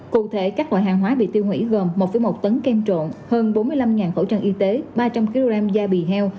cụ thể các loại hàng hóa bị tiêu hủy gồm một một tấn kem trộn hơn bốn mươi năm khẩu trang y tế ba trăm linh kg da bị heo